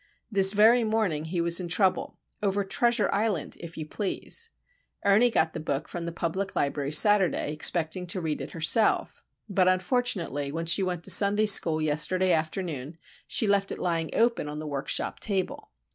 This very morning he was in trouble, over Treasure Island, if you please! Ernie got the book from the public library Saturday, expecting to read it herself; but, unfortunately, when she went to Sunday school yesterday afternoon, she left it lying open on the workshop table.